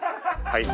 はい。